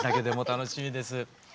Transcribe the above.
楽しみです。